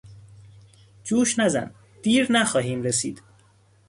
جوش نزن، دیر نخواهیم رسید!